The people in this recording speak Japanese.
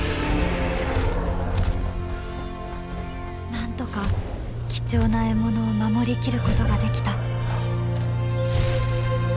なんとか貴重な獲物を守りきることができた。